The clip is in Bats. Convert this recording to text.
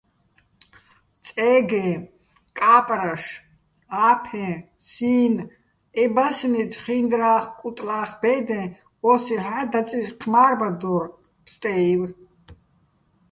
წე́გე, კა́პრაშ, ა́ფეჼ, სი́ნ - ე ბასნი, ჩხინდრა́ხ-კუტლა́ხ ბე́დეჼ, ოსიჰ̦ა́ დაწიშ ჴმა́რბადორ ფსტე́ივ.